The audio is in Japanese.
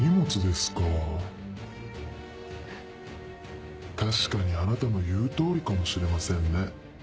フッ確かにあなたの言う通りかもしれませんね。